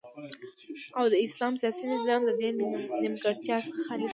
او د اسلام سیاسی نظام ددی نیمګړتیاو څخه خالی دی